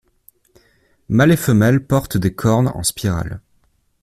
Mâles et femelles portent des cornes en spirales.